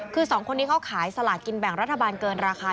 คือสองคนนี้เขาขายสลากินแบ่งรัฐบาลเกินราคา